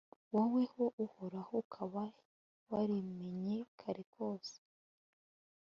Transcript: woweho, uhoraho, ukaba warimenye kare ryose